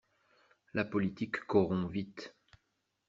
La politique corrompt vite.